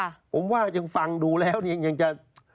ผมว่ายังฟังดูแล้วเนี่ยยังจะ